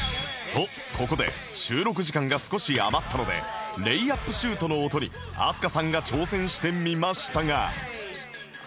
とここで収録時間が少し余ったのでレイアップシュートの音に飛鳥さんが挑戦してみましたが